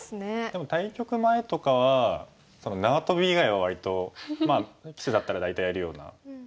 でも対局前とかは縄跳び以外は割と棋士だったら大体やるような。